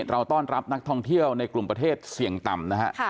เราต้อนรับนักท่องเที่ยวในกลุ่มประเทศเสี่ยงต่ำนะฮะ